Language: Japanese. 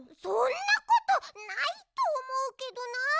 そんなことないとおもうけどな。